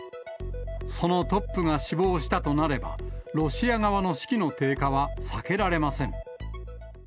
そのトップが死亡したとなれば、ロシア側の士気の低下は避けられません。